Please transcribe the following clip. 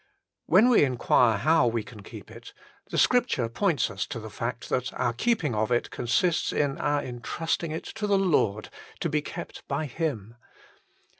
When we inquire how we can keep it, Scripture points us to the fact that our keeping of it consists in our intrusting it to the Lord to be kept by Him.